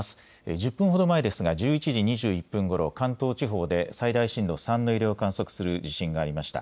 １０分程前ですが１１時２１分ごろ、関東地方で最大震度３の揺れを観測する地震がありました。